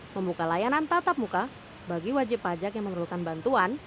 membuka layanan tatap muka bagi wajib pajak yang memerlukan bantuan